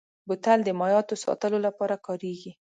بوتل د مایعاتو ساتلو لپاره کارېږي.